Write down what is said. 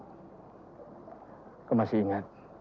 suami saya itu kepala bagian yang cermat dalam keuangan